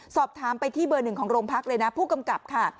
สอบถามไปที่เบอร์หนึ่งของโรงพักเลยนะผู้กำกับค่ะ